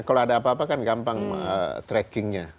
kalau ada apa apa kan gampang trackingnya